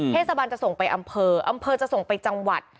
เทศบาลจะส่งไปอำเภออำเภอจะส่งไปจังหวัด